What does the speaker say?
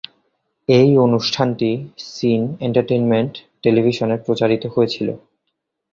এই অনুষ্ঠানটি Sony Entertainment টেলিভিশনে প্রচারিত হয়েছিল।